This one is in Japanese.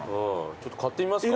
ちょっと買ってみますか？